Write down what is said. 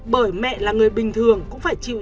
bởi mẹ là người bình thường cũng phải chịu